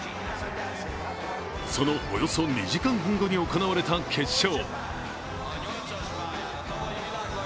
そのおよそ２時間半後に行われた決勝。